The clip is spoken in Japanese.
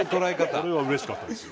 これはうれしかったですよ。